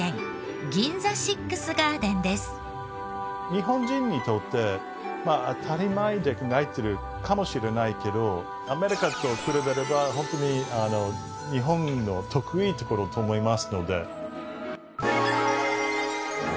日本人にとって当たり前と考えてるかもしれないけどアメリカと比べればホントに日本の得意なところだと思いますので。